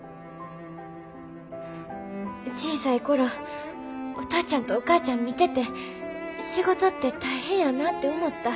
小さい頃お父ちゃんとお母ちゃん見てて仕事って大変やなて思った。